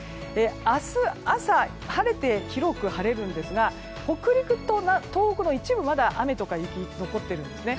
明日朝、広く晴れるんですが北陸と東北の一部はまだ雨とか雪が残っているんですね。